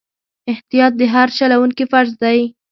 احتیاط د هر چلوونکي فرض دی.